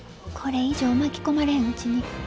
これ以上巻き込まれんうちに。